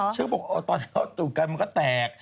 เชื่อบอกตอนที่เขาสู้กันมันก็แตก